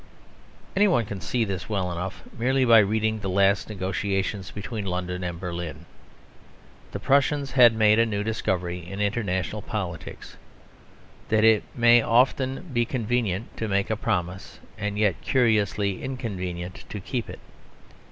Any one can see this well enough, merely by reading the last negotiations between London and Berlin. The Prussians had made a new discovery in international politics: that it may often be convenient to make a promise; and yet curiously inconvenient to keep it.